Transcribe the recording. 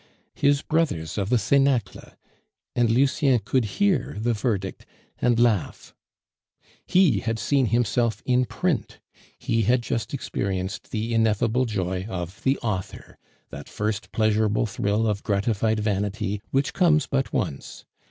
His brothers of the cenacle! And Lucien could hear the verdict and laugh. He had seen himself in print; he had just experienced the ineffable joy of the author, that first pleasurable thrill of gratified vanity which comes but once.